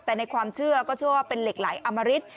แต่ในความเชื่อก็เชื่อว่าเป็นเหล็กไหลอมริต